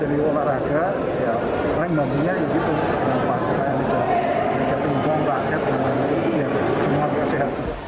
dan lain lain itu ya semangat kesehatan